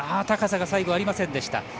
高さが最後ありませんでした。